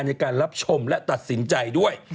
ในการรับชมและตัดสินใจด้วย